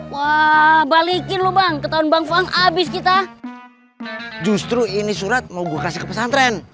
wah balikin lubang ketahuan bang fahang habis kita justru ini surat mau gue kasih pesan tren